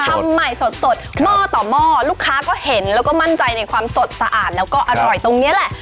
ทำใหม่สดหม้อต่อหม้อลูกค้าก็เห็นแล้วก็มั่นใจในความสดสะอาดแล้วก็อร่อยตรงนี้แหละ